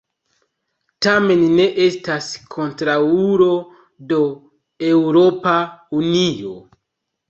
Tamen ne estas kontraŭulo de Eŭropa Unio.